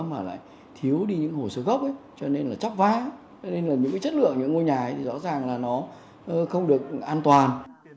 mà lại thiếu đi những hồ sơ gốc ấy cho nên là chóc vá cho nên là những cái chất lượng những ngôi nhà thì rõ ràng là nó không được an toàn